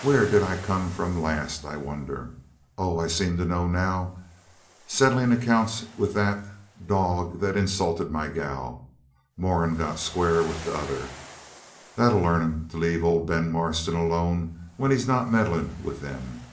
Where did I come from last, I wonder? Oh, I seem to know now. Settling accounts with that dog that insulted my gal. Moran got square with t'other. That'll learn 'em to leave old Ben Marston alone when he's not meddling with them.'